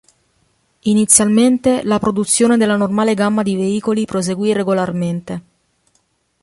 Inizialmente, la produzione della normale gamma di veicoli proseguì regolarmente.